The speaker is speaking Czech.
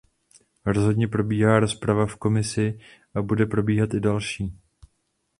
Rozhodně probíhá rozprava v Komisi a bude probíhat i další.